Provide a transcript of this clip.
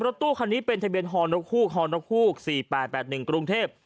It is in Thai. ตู้คันนี้เป็นทะเบียนฮอนกฮูกฮอนกฮูก๔๘๘๑กรุงเทพ